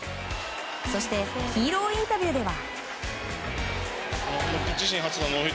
そしてヒーローインタビューでは。